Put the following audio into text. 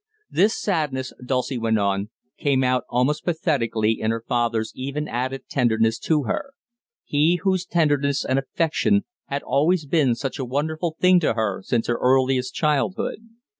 This sadness, Dulcie went on, came out almost pathetically in her father's even added tenderness to her he whose tenderness and affection had always been such a wonderful thing to her since her earliest childhood.